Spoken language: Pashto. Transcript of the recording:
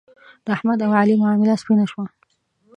د احمد او علي معامله سپینه شوه.